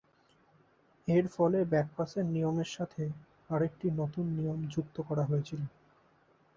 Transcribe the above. এর ফলে, ব্যাক-পাসের নিয়মের সাথে আরেকটি নতুন নিয়ম যুক্ত করা হয়েছিল।